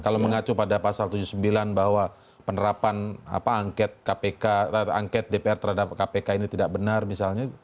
kalau mengacu pada pasal tujuh puluh sembilan bahwa penerapan angket dpr terhadap kpk ini tidak benar misalnya